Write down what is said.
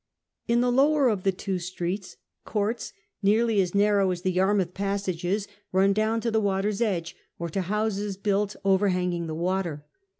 In the lower of the two streets, courts nearly as II WHITBY 21 narrow as the Yarmouth passages run down to the water's edge, or to houses built overhanging the water.